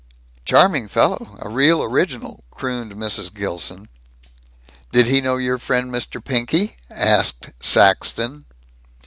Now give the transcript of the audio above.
"Charming fellow. A real original," crooned Mrs. Gilson. "Did he know your friend Mr. Pinky?" asked Saxton.